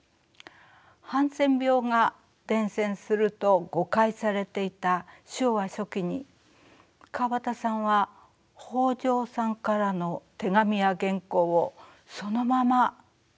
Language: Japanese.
ハンセン病が伝染すると誤解されていた昭和初期に川端さんは北条さんからの手紙や原稿をそのまま手にされていたといいます。